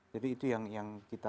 jadi itu yang kita